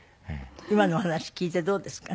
今のお話聞いてどうですか？